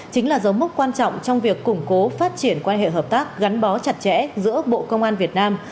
chính là dấu mốc quan trọng trong việc củng cố phát triển quan hệ hợp tác gắn bó chặt chẽ giữa bộ công an việt nam